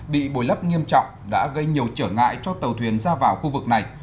bị bồi lấp nghiêm trọng đã gây nhiều trở ngại cho tàu thuyền ra vào khu vực này